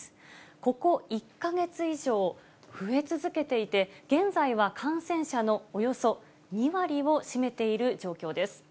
ここ１か月以上、増え続けていて、現在は感染者のおよそ２割を占めている状況です。